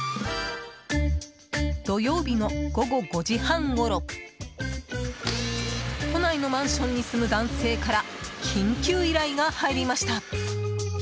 土曜日の午後５時半ごろ都内のマンションに住む男性から緊急依頼が入りました。